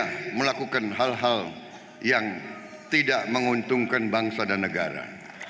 kita melakukan hal hal yang tidak menguntungkan bangsa dan negara